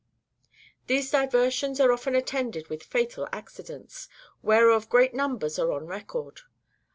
These diversions are often attended with fatal accidents, whereof great numbers are on record.